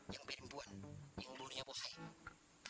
yang berimpuan yang mulia buhai